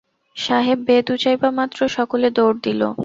সাহেব বেত উঁচাইবামাত্র সকলে দৌড় দিল।